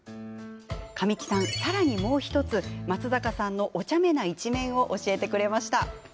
神木さん、さらにもう１つ松坂さんのおちゃめな一面を教えてくれました。